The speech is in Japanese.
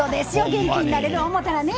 元気になれると思ったらね。